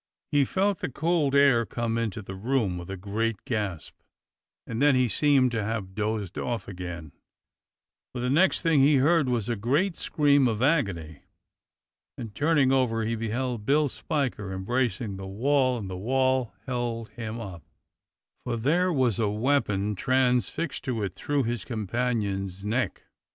He felt the cold air come into the room with a great gasp, and then he seemed to have dozed off again, but the next thing he heard was a great 142 DOCTOR SYN scream of agony, and turning over he beheld Bill Spiker embracing the wall, and the wall held him up, for there was a weapon transfixed to it through his companion's neck.